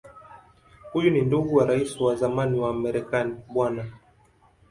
Huyu ni ndugu wa Rais wa zamani wa Marekani Bw.